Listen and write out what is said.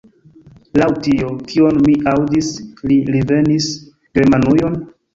Laŭ tio, kion mi aŭdis, li revenis Germanujon?